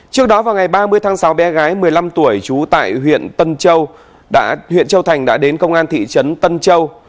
trước đó vào ngày ba mươi tháng sáu bé gái một mươi năm tuổi trú tại huyện tân châu huyện châu thành đã đến công an thị trấn tân châu